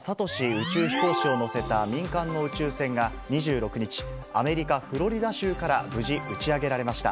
宇宙飛行士を乗せた民間の宇宙船が２６日、アメリカ・フロリダ州から無事、打ち上げられました。